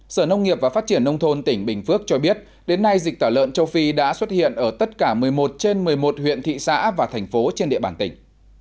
sở nông nghiệp và phát triển nông thôn tỉnh bình phước cho biết đến nay dịch tả lợn châu phi đã xuất hiện ở tất cả một mươi một trên một mươi một huyện thị xã và thành phố trên địa bàn tỉnh